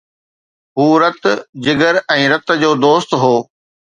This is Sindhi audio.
هو رت، جگر ۽ رت جو دوست هو